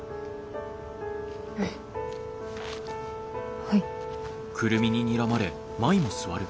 はい。